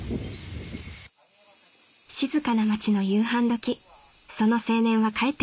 ［静かな町の夕飯時その青年は帰ってきました］